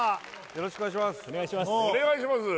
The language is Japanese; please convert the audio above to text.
よろしくお願いします